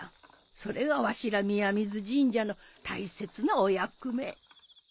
それがわしら宮水神社の大切なお役目。